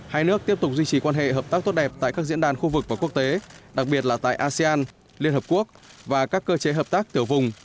hai nước tiếp tục duy trì quan hệ hợp tác tốt đẹp tại các diễn đàn khu vực và quốc tế đặc biệt là tại asean liên hợp quốc và các cơ chế hợp tác tiểu vùng